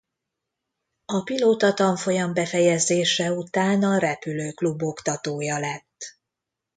A pilóta-tanfolyam befejezése után a repülőklub oktatója lett.